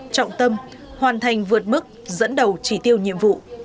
trọng tâm hoàn thành vượt mức dẫn đầu chỉ tiêu nhiệm vụ